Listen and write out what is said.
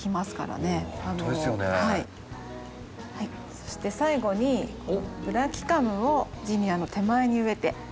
そして最後にブラキカムをジニアの手前に植えて。